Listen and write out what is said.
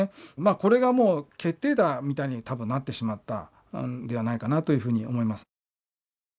これがもう決定打みたいに多分なってしまったんではないかなというふうに思います。